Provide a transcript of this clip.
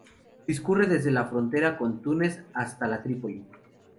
Discurre desde la frontera con Túnez hasta la Tripoli.